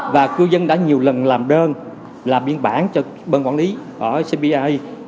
và cư dân đã nhiều lần làm đơn làm biên bản cho bên quản lý ở cpi